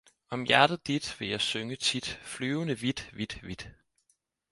Om hjertet dit, vil jeg synge tit, flyvende vidt, vidt, vidt